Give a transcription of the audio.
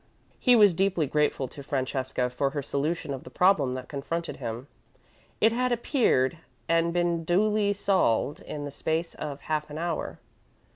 He was deeply grateful to Francesca for her solution of the problem that confronted him. It had appeared and been duly solved in the space of half an hour.